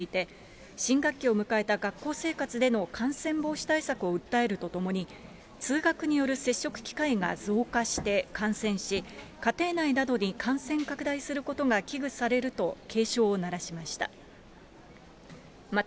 また新規感染者における２０歳未満の割合が４週連続上昇していて、新学期を迎えた学校生活での感染防止対策を訴えるとともに、通学による接触機会が増加して感染し、家庭内などに感染拡大することが危惧されると警鐘を鳴らしました。